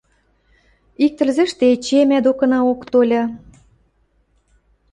Ик тӹлзӹштӹ эче мӓ докынаок тольы.